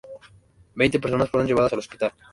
Veinte personas fueron llevadas al hospital.